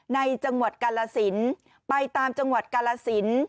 ในจังหวัดกาลสินไปตามจังหวัดกาลสิน